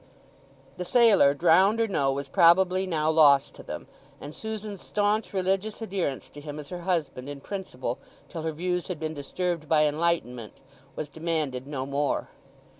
The sailor, drowned or no, was probably now lost to them; and Susan's staunch, religious adherence to him as her husband in principle, till her views had been disturbed by enlightenment, was demanded no more.